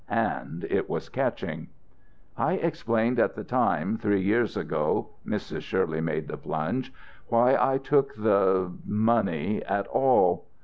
And it was catching. "I explained at the time, three years ago," Mrs. Shirley made the plunge, "why I took the money at all."